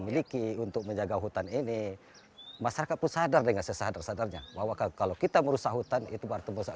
ini masyarakat bersadar dengan sesadar sadarnya bahwa kalau kita merusak hutan itu bertempat